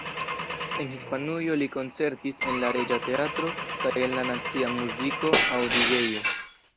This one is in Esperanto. En Hispanujo li koncertis en la Reĝa Teatro kaj en la Nacia Muziko-Aŭdigejo.